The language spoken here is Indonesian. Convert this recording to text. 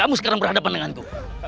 kamu sekarang berhadapan denganku